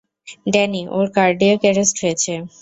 Danny, ওর cardiac arrest হয়েছে।